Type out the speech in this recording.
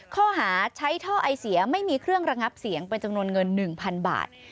ข้อหาใช้ท่อไอเสียไม่มีเครื่องระงับเสียงเป็นจำนวนเงิน๑๐๐๐บาท